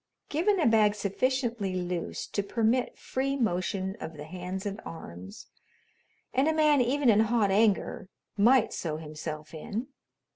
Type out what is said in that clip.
Given a bag sufficiently loose to permit free motion of the hands and arms, and a man, even in hot anger, might sew himself in.